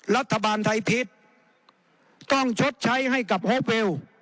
รัฐบาลไทยผิดต้องชดใช้ให้กับโฮปเวล